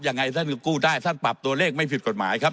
ยังไงท่านก็กู้ได้ท่านปรับตัวเลขไม่ผิดกฎหมายครับ